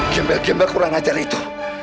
gembel gembel kurang ajar itu